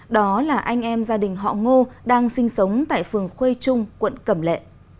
đó là anh em gia đình họ ngô đang sinh sống tại phường khuê trung quận cẩm lệ